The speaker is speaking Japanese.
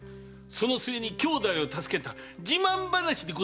その末に姉弟を助けた自慢話でございますか？